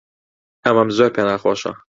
ئەمەم زۆر پێ ناخۆشە.